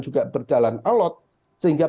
juga berjalan alat sehingga